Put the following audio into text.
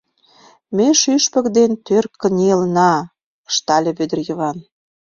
Ме шӱшпык дене тӧр кынелына! — ыштале Вӧдыр Йыван.